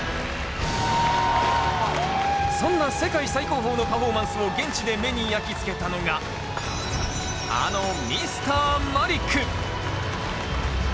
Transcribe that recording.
そんな世界最高峰のパフォーマンスを現地で目に焼き付けたのがあのＭｒ．マリック。